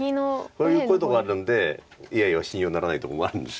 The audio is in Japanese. こういうことがあるんでＡＩは信用ならないとこもあるんです。